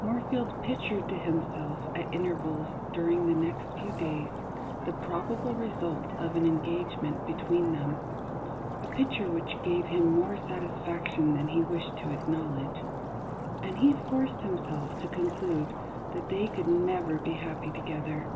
Moorfield pictured to himself at intervals during the next few days the probable result of an engage ment between them (a picture which gave him more satisfaction than he wished to acknowledge), and he forced himself to conclude that they could never be happy together.